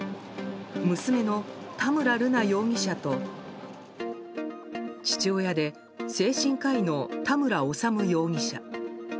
娘の田村瑠奈容疑者と父親で精神科医の田村修容疑者。